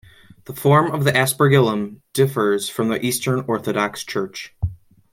The form of the aspergillum differs in the Eastern Orthodox Church.